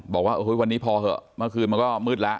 บอกว่าวันนี้พอเหอะเมื่อคืนมันก็มืดแล้ว